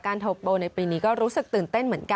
โทโปรในปีนี้ก็รู้สึกตื่นเต้นเหมือนกัน